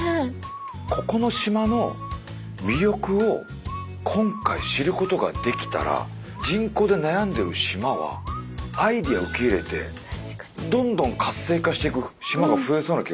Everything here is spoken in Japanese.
ここの島の魅力を今回知ることができたら人口で悩んでる島はアイデア受け入れてどんどん活性化していく島が増えそうな気がする。